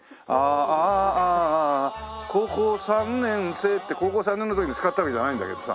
「ああ高校三年生」って高校三年の時に使ったわけじゃないんだけどさ。